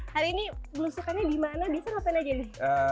hari ini blusukannya dimana bisa ngapain aja nih